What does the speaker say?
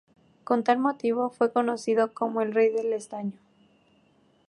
Con tal motivo, fue conocido como "El Rey del Estaño".